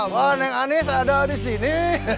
wah nenek anis ada di sini